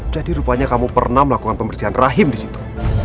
jadi rupanya kamu pernah melakukan pembersihan rahim disitu